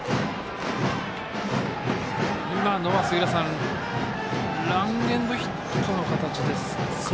今のは杉浦さんランエンドヒットの形ですかね。